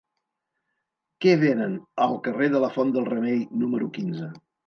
Què venen al carrer de la Font del Remei número quinze?